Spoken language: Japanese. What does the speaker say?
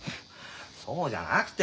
そうじゃなくて！